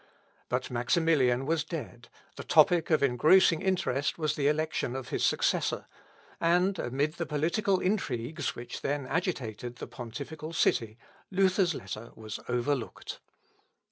But Maximilian was dead, the topic of engrossing interest was the election of his successor, and amid the political intrigues which then agitated the pontifical city, Luther's letter was overlooked.